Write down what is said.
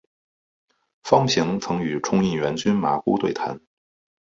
方平曾与冲应元君麻姑对谈。